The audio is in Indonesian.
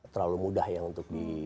terlalu mudah ya untuk di